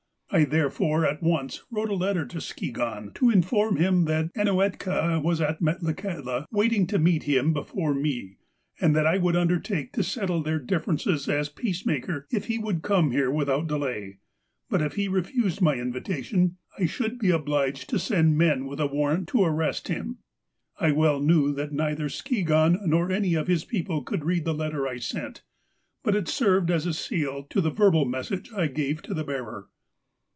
I, therefore, at once wrote a letter to Skigahn to inform him that Ainuetka was at Metlakahtla waiting to meet him before me, and that I would undertake to settle their differences as peacemaker if he would come here without delay ; but, if he refused my invitation, I should be obliged to send men with a warrant to arrest him. " I well knew that neither Skigahn nor any of his people could read the letter I sent, but it served as a seal to the verbal message I gave to the bearer.